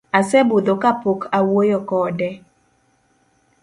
Asebudho kapok awuoyo kode